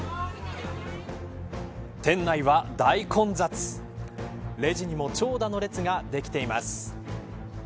店内は大混雑レジにも長蛇の列ができています。